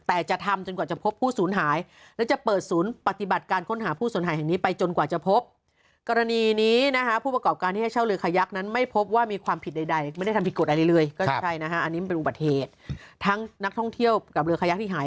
แต่จะทำจนกดจะพบผู้ศูนย์หาย